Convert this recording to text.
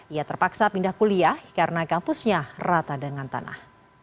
ia terpaksa pindah kuliah karena kampusnya rata dengan tanah